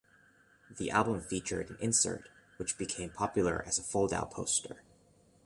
The album featured an insert which became popular as a fold-out poster.